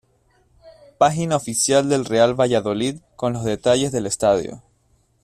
Página oficial del Real Valladolid con los detalles del estadio